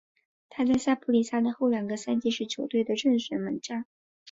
他在萨普里萨的后两个赛季是球队的正选门将。